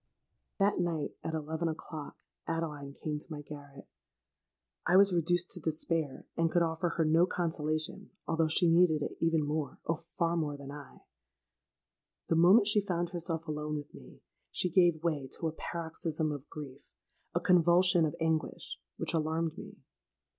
"That night, at eleven o'clock, Adeline came to my garret. I was reduced to despair; and could offer her no consolation, although she needed it even more—oh! far more than I. The moment she found herself alone with me, she gave way to a paroxysm of grief—a convulsion of anguish, which alarmed me.